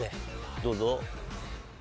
どうぞ？